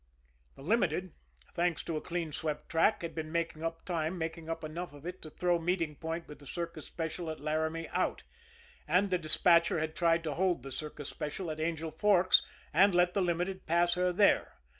The Limited, thanks to a clean swept track, had been making up time, making up enough of it to throw meeting point with the Circus Special at L'Aramie out and the despatcher had tried to Hold the Circus Special at Angel Forks and let the Limited pass her there.